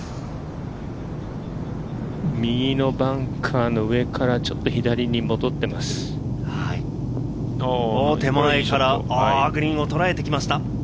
右のバンカーの上からち手前からグリーンをとらえてきました。